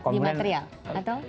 di material atau